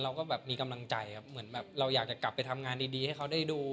เราก็แบบมีกำลังใจครับเหมือนแบบเราอยากจะกลับไปทำงานดีให้เขาได้ดู